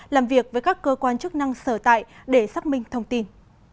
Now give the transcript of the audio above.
làm việc với các cơ quan chức năng sở tại để xác minh thông tin